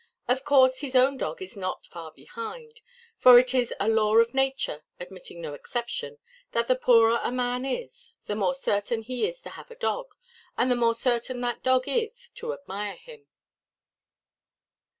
Of course, his own dog is not far behind; for it is a law of nature, admitting no exception, that the poorer a man is, the more certain he is to have a dog, and the more certain that dog is to admire him.